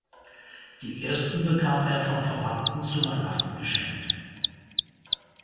Die ersten bekam er von Verwandten zu Weihnachten geschenkt.